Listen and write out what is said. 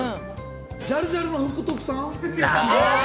ジャルジャルの福徳さん？